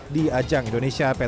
di ajang indonesia pt pertamina